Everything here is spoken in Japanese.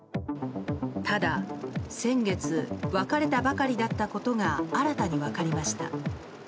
ただ、先月別れたばかりだったことが新たに分かりました。